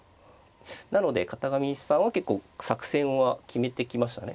なので片上さんは結構作戦は決めてきましたね。